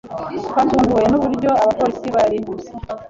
Twatunguwe nuburyo abapolisi barihuse.